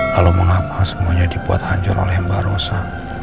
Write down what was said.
kalau mengapa semuanya dibuat hancur oleh mbak rosa